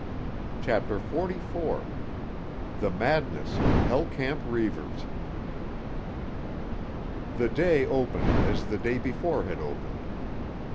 CHAPTER XLIV—THE MADNESS OF "HELL CAMP" REIVERS The day opened as the day before had opened.